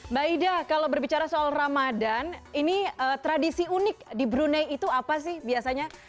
mbak ida kalau berbicara soal ramadan ini tradisi unik di brunei itu apa sih biasanya